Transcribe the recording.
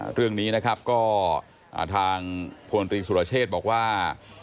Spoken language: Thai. เรื่องนี้นะครับก็ทางพลตรีสุรเชษบอกว่า